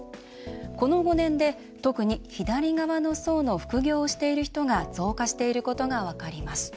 この５年で特に左側の層の副業している人が増加していることが分かります。